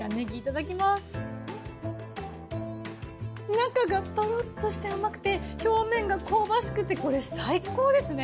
中がトロッとして甘くて表面が香ばしくてこれ最高ですね！